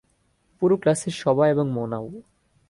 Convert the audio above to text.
পুরো ক্লাসের সবাই এবং মোনাও।